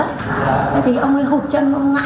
thế thì ông ấy hụt chân ngã